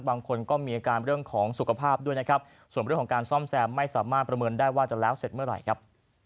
บางคนก็มีอาการเรื่องของสุขภาพด้วยนะครับส่วนเรื่องของการซ่อมแซมไม่สามารถประเมินได้ว่าจะแล้วเสร็จเมื่อไหร่ครับ